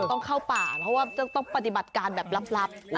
ต้องเข้าป่าเพราะว่าต้องปฏิบัติการแบบลับ